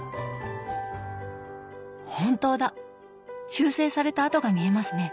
本当だ修正された跡が見えますね。